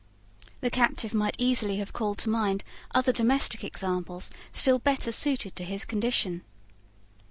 The captive might easily have called to mind other domestic examples, still better suited to his condition.